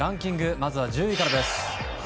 まずは１０位からです。